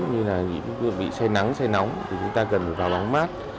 như là những bị say nắng say nóng thì chúng ta cần vào bóng mát